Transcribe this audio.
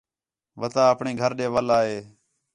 وتہ آپݨے گھر ݙے وَل آ ہے